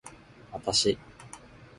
わたし